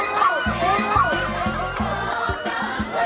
สวัสดีครับทุกคน